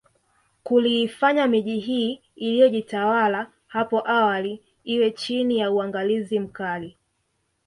Kuliifanya miji hii iliyojitawala hapo awali iwe chini ya uangalizi mkali